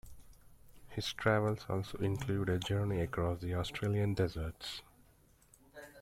His travels also include a journey across the Australian deserts.